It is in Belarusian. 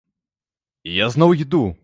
І я зноў іду!